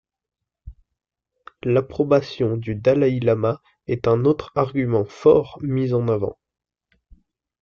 L’approbation du dalaï-lama est un autre argument fort mis en avant.